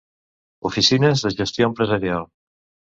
Oficines de Gestió Empresarial.